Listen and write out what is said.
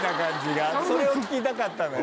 それを聞きたかったのよ。